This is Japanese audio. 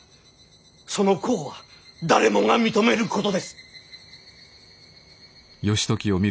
その功は誰もが認めることです。